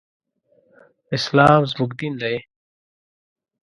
اسلام زموږ دين دی.